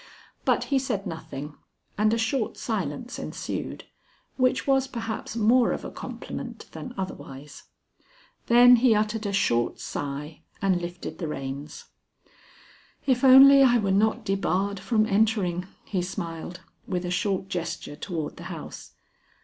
But he said nothing, and a short silence ensued, which was perhaps more of a compliment than otherwise. Then he uttered a short sigh and lifted the reins. "If only I were not debarred from entering," he smiled, with a short gesture toward the house.